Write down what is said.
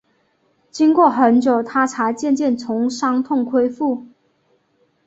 经过很久，她才渐渐从伤痛恢复